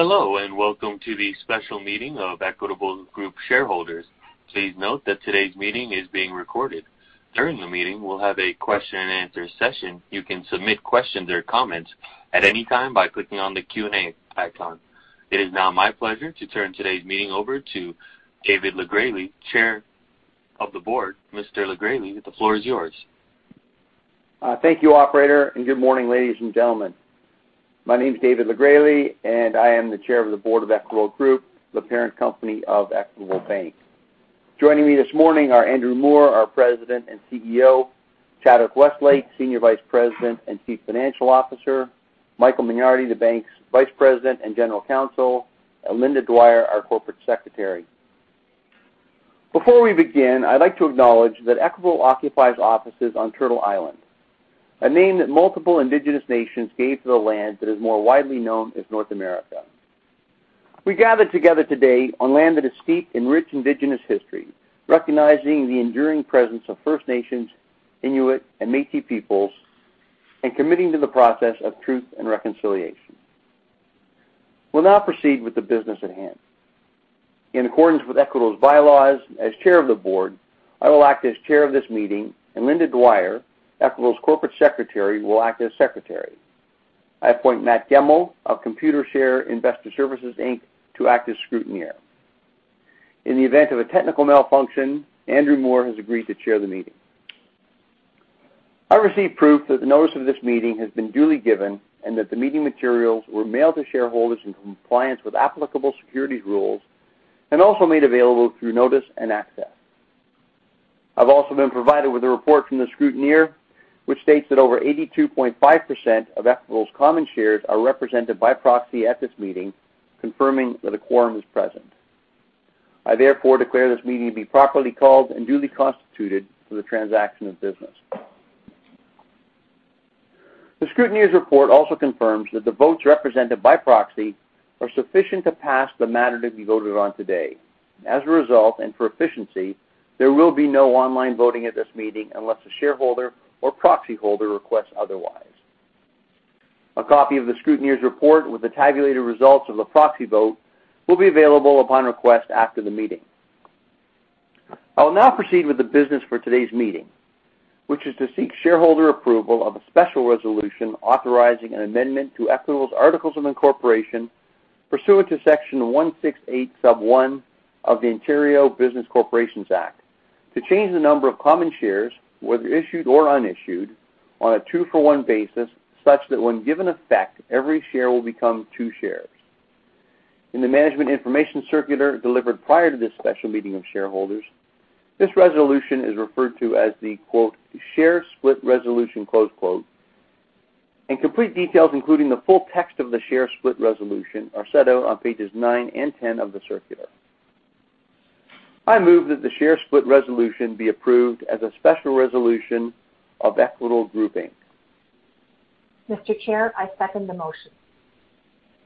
Hello, and welcome to the special meeting of Equitable Group shareholders. Please note that today's meeting is being recorded. During the meeting, we'll have a question and answer session. You can submit questions or comments at any time by clicking on the Q&A icon. It is now my pleasure to turn today's meeting over to David LeGresley, Chair of the Board. Mr. LeGresley, the floor is yours. Thank you, operator, and good morning, ladies and gentlemen. My name's David LeGresley, and I am the Chair of the Board of Equitable Group, the parent company of Equitable Bank. Joining me this morning are Andrew Moor, our President and Chief Executive Officer, Chadwick Westlake, Senior Vice President and Chief Financial Officer, Michael Mignardi, the bank's Vice President and General Counsel, and Linda Dwyer, our Corporate Secretary. Before we begin, I'd like to acknowledge that Equitable occupies offices on Turtle Island, a name that multiple Indigenous nations gave to the land that is more widely known as North America. We gather together today on land that is steeped in rich Indigenous history, recognizing the enduring presence of First Nations, Inuit, and Métis peoples, and committing to the process of truth and reconciliation. We'll now proceed with the business at hand. In accordance with Equitable's bylaws, as chair of the board, I will act as chair of this meeting, and Linda Dwyer, Equitable's corporate secretary, will act as secretary. I appoint Matthew Gemmell of Computershare Investor Services Inc. to act as scrutineer. In the event of a technical malfunction, Andrew Moor has agreed to chair the meeting. I received proof that the notice of this meeting has been duly given and that the meeting materials were mailed to shareholders in compliance with applicable securities rules, and also made available through notice and access. I've also been provided with a report from the scrutineer, which states that over 82.5% of Equitable's common shares are represented by proxy at this meeting, confirming that a quorum is present. I therefore declare this meeting to be properly called and duly constituted for the transaction of business. The scrutineer's report also confirms that the votes represented by proxy are sufficient to pass the matter to be voted on today. As a result, and for efficiency, there will be no online voting at this meeting unless the shareholder or proxy holder requests otherwise. A copy of the scrutineer's report with the tabulated results of the proxy vote will be available upon request after the meeting. I will now proceed with the business for today's meeting, which is to seek shareholder approval of a special resolution authorizing an amendment to Equitable's articles of incorporation pursuant to Section 168(1) of the Ontario Business Corporations Act to change the number of common shares, whether issued or unissued, on a 2-for-1 basis, such that when given effect, every share will become two shares. In the management information circular delivered prior to this special meeting of shareholders, this resolution is referred to as the "share split resolution," and complete details, including the full text of the share split resolution, are set out on pages 9 and 10 of the circular. I move that the share split resolution be approved as a special resolution of Equitable Group Inc. Mr. Chair, I second the motion.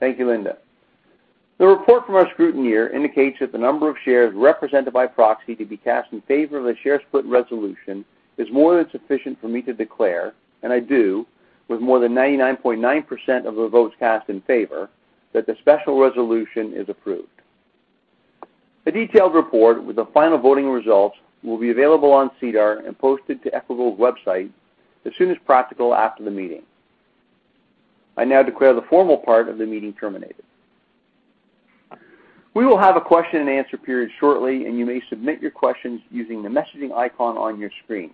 Thank you, Linda. The report from our scrutineer indicates that the number of shares represented by proxy to be cast in favor of the share split resolution is more than sufficient for me to declare, and I do, with more than 99.9% of the votes cast in favor, that the special resolution is approved. The detailed report with the final voting results will be available on SEDAR and posted to Equitable's website as soon as practical after the meeting. I now declare the formal part of the meeting terminated. We will have a question and answer period shortly, and you may submit your questions using the messaging icon on your screen.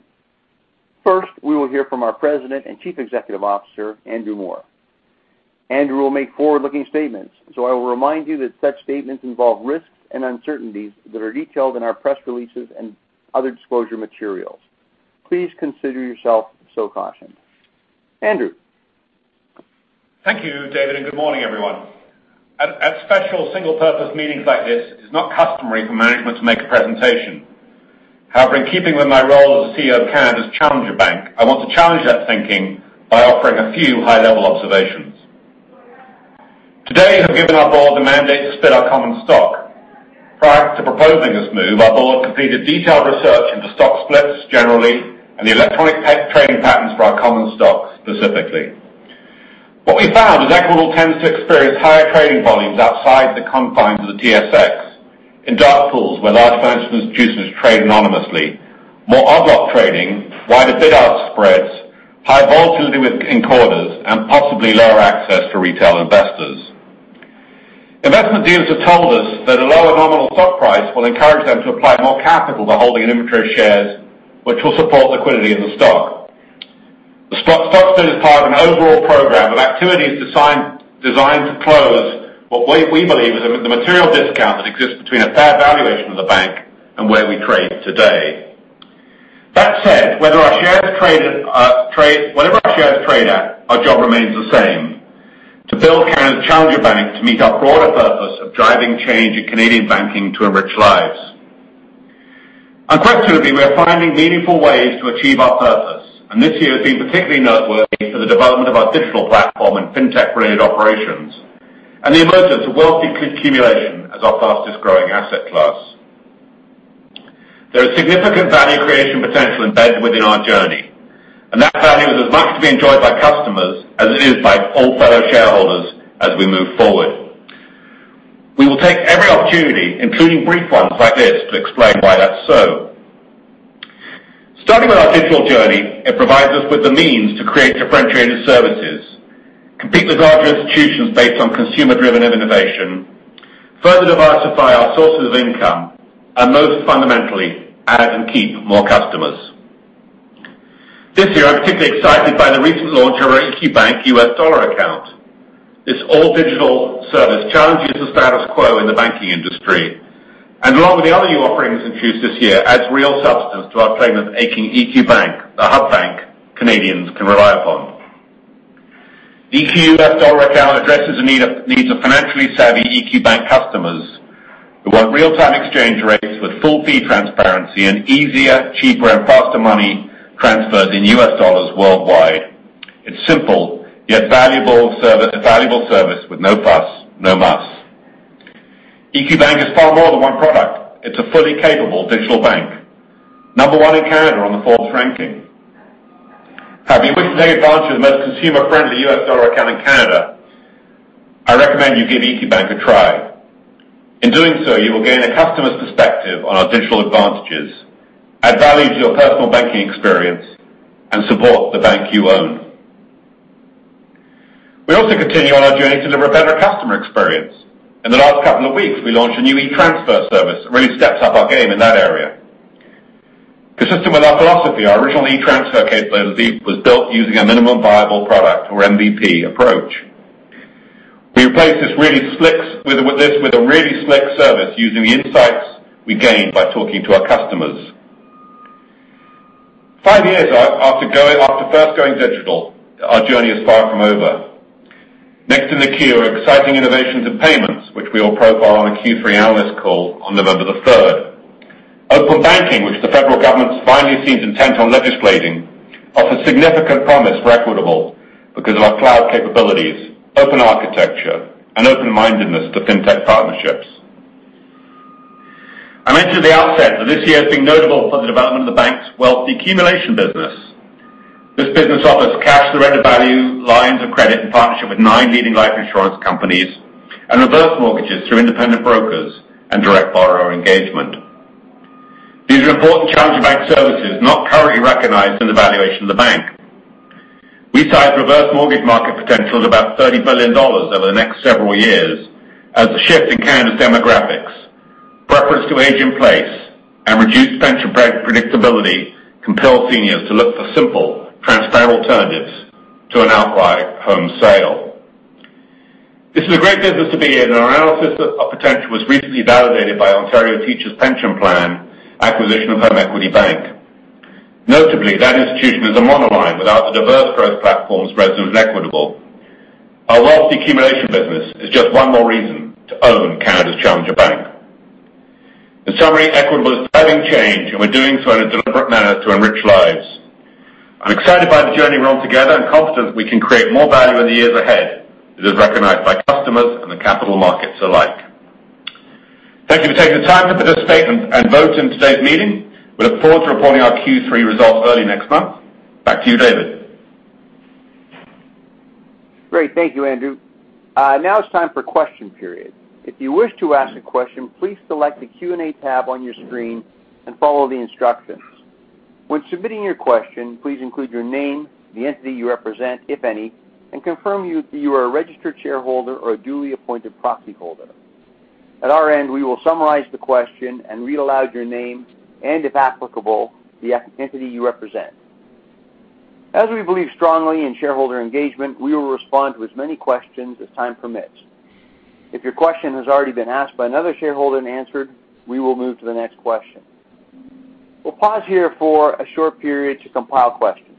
First, we will hear from our President and Chief Executive Officer, Andrew Moor. Andrew will make forward-looking statements. I will remind you that such statements involve risks and uncertainties that are detailed in our press releases and other disclosure materials. Please consider yourself so cautioned. Andrew. Thank you, David, good morning, everyone. At special single-purpose meetings like this, it's not customary for management to make a presentation. However, in keeping with my role as the CEO of Canada's challenger bank, I want to challenge that thinking by offering a few high-level observations. Today, you have given our Board the mandate to split our common stock. Prior to proposing this move, our Board completed detailed research into stock splits generally and the electronic trading patterns for our common stock specifically. What we found is Equitable tends to experience higher trading volumes outside the confines of the TSX in dark pools where large financial institutions trade anonymously, more odd lot trading, wider bid-ask spreads, high volatility within quarters, and possibly lower access to retail investors. Investment deals have told us that a lower nominal stock price will encourage them to apply more capital to holding inventory shares, which will support liquidity in the stock. The stock split is part of an overall program of activities designed to close what we believe is the material discount that exists between a fair valuation of the bank and where we trade today. That said, wherever our shares trade at, our job remains the same, to build Canada's challenger bank to meet our broader purpose of driving change in Canadian banking to enrich lives. Unquestionably, we are finding meaningful ways to achieve our purpose, and this year has been particularly noteworthy for the development of our digital platform and fintech-related operations, and the emergence of wealth accumulation as our fastest growing significant value creation potential embedded within our journey. That value is as much to be enjoyed by customers as it is by all fellow shareholders as we move forward. We will take every opportunity, including brief ones like this, to explain why that's so. Starting with our digital journey, it provides us with the means to create differentiated services, compete with larger institutions based on consumer-driven innovation, further diversify our sources of income, and most fundamentally, add and keep more customers. This year, I'm particularly excited by the recent launch of our EQ Bank US Dollar Account. This all-digital service challenges the status quo in the banking industry. Along with the other new offerings introduced this year, adds real substance to our claim of making EQ Bank a hub bank Canadians can rely upon. EQ US Dollar Account addresses the needs of financially savvy EQ Bank customers who want real-time exchange rates with full fee transparency and easier, cheaper, and faster money transfers in US dollars worldwide. It's simple, yet a valuable service with no fuss, no muss. EQ Bank is far more than one product. It's a fully capable digital bank. Number one in Canada on the Forbes ranking. If you wish to take advantage of the most consumer-friendly US Dollar Account in Canada, I recommend you give EQ Bank a try. In doing so, you will gain a customer's perspective on our digital advantages, add value to your personal banking experience, and support the bank you own. We also continue on our journey to deliver a better customer experience. In the last couple of weeks, we launched a new e-Transfer service that really steps up our game in that area. Consistent with our philosophy, our original e-Transfer capability was built using a minimum viable product or MVP approach. We replaced this with a really slick service using the insights we gained by talking to our customers. Five years after first going digital, our journey is far from over. Next in the queue are exciting innovations in payments, which we will profile on the Q3 analyst call on November 3rd. Open banking, which the federal government finally seems intent on legislating, offers significant promise for Equitable because of our cloud capabilities, open architecture, and open-mindedness to fintech partnerships. I mentioned at the outset that this year has been notable for the development of the bank's wealth accumulation business. This business offers cash surrender value, lines of credit in partnership with nine leading life insurance companies, and reverse mortgages through independent brokers and direct borrower engagement. These are important challenger bank services not currently recognized in the valuation of the bank. We size reverse mortgage market potential at about 30 billion dollars over the next several years as the shift in Canada's demographics, preference to age in place, and reduced pension predictability compel seniors to look for simple, transparent alternatives to an outright home sale. This is a great business to be in. Our analysis of potential was recently validated by Ontario Teachers' Pension Plan acquisition of HomeEquity Bank. Notably, that institution is a monoline without the diverse growth platforms resident in Equitable. Our wealth accumulation business is just one more reason to own Canada's challenger bank. In summary, Equitable is driving change. We're doing so in a deliberate manner to enrich lives. I'm excited by the journey we're on together and confident we can create more value in the years ahead that is recognized by customers and the capital markets alike. Thank you for taking the time to hear this statement and vote in today's meeting. We look forward to reporting our Q3 results early next month. Back to you, David. Great. Thank you, Andrew. Now it's time for question period. If you wish to ask a question, please select the Q&A tab on your screen and follow the instructions. When submitting your question, please include your name, the entity you represent, if any, and confirm you are a registered shareholder or a duly appointed proxy holder. At our end, we will summarize the question and read aloud your name, and if applicable, the entity you represent. As we believe strongly in shareholder engagement, we will respond to as many questions as time permits. If your question has already been asked by another shareholder and answered, we will move to the next question. We'll pause here for a short period to compile questions.